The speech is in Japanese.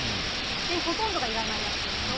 ほとんどがいらないやつでしょ。